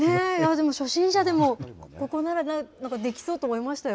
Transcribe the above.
初心者でもここならなんか、できそうと思いましたよ。